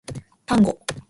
タンゴ